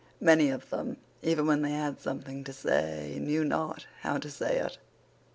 Many of them, even when they had something to say, knew not how to say it.